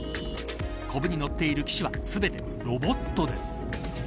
コブに乗っている騎手は全てロボットです。